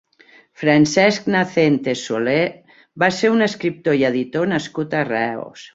Francesc Nacente Soler va ser un escriptor i editor nascut a Reus.